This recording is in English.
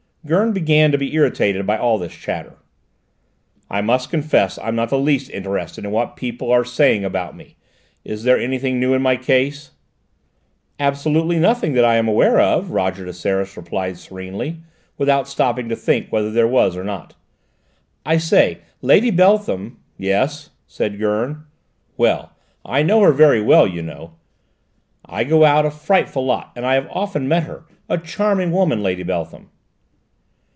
Gurn began to be irritated by all this chatter. "I must confess I'm not the least interested in what people are saying about me. Is there anything new in my case?" "Absolutely nothing that I am aware of," Roger de Seras replied serenely, without stopping to think whether there was or not. "I say Lady Beltham " "Yes?" said Gurn. "Well, I know her very well, you know: I go out a frightful lot and I have often met her: a charming woman, Lady Beltham!"